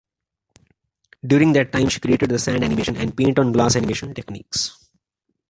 During that time, she created the sand animation and paint-on-glass animation techniques.